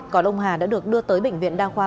còn ông hà đã được đưa tới bệnh viện đa khoa